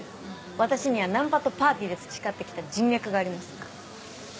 私にはナンパとパーティーで培って来た人脈がありますから。